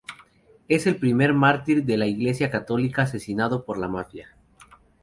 Es el primer mártir de la Iglesia católica asesinado por la mafia.